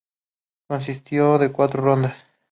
Consistió de cuatro rondas.